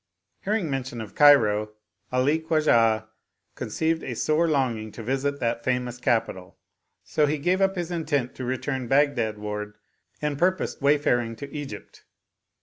Hearing mention of Cairo, Ali Khwajah conceived a sore longing to visit that famous capital, so he gave up his intent of return Baghdad ward and purposed wayfaring to Egypt.